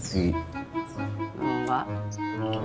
kirain kamu mau pergi